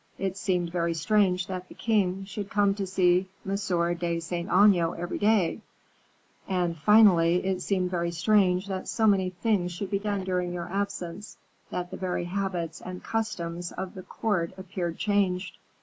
It seemed very strange that the king should come to see M. de Saint Aignan every day, and, finally, it seemed very strange that so many things should be done during your absence, that the very habits and customs of the court appeared changed.